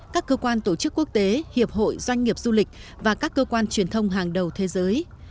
các cơ quan tổ chức quốc tế hiệp hội doanh nghiệp du lịch và các cơ quan truyền thông hàng đầu thế giới